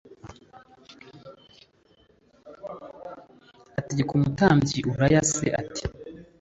ategeka umutambyi Uriya c ati